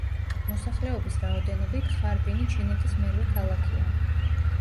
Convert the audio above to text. მოსახლეობის რაოდენობით ხარბინი ჩინეთის მერვე ქალაქია.